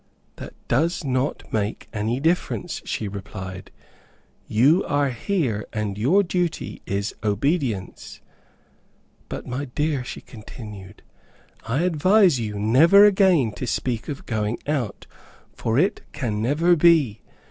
"That does not make any difference," she replied. "You are here, and your duty is obedience. But my dear," she continued, "I advise you never again to speak of going out, for it can never be.